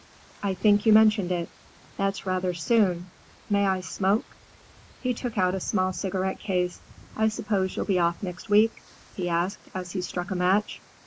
"I think you mentioned it. That's rather soon. May I smoke?" he took out a small cigarette case. "I suppose you'll be off next week?" he asked as he struck a match.